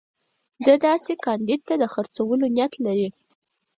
ده داسې کاندید ته د خرڅولو نیت لري.